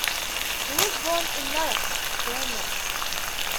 He was born in Narok, Kenya.